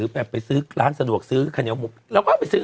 แบบไปซื้อร้านสะดวกซื้อข้าวเหนียวหมุบแล้วก็ไปซื้อ